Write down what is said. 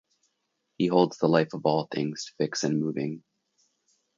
He holds the life of all things fixed and moving.